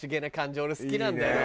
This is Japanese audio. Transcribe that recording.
俺好きなんだよ。